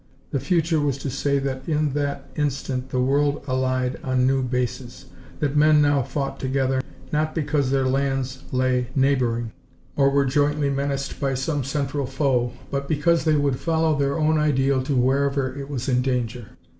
The future was to say that in that instant the world allied on new bases, that men now fought together not because their lands lay neighboring, or were jointly menaced by some central foe, but because they would follow their own ideal to wherever it was in danger.